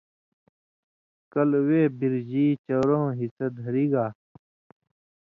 کلہۡ وے بِرژی چؤرؤں حصہ دھری گا